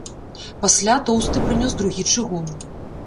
Пасля тоўсты прынёс другі чыгун.